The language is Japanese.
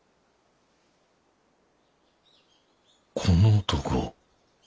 この男。